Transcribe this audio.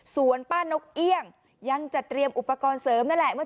ส่วนป้านกเอี่ยงยังจะเตรียมอุปกรณ์เสริมนั่นแหละ